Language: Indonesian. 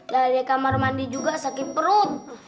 dari kamar mandi juga sakit perut